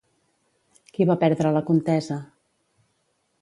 Qui va perdre la contesa?